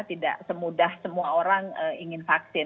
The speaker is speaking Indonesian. tidak semudah semua orang ingin vaksin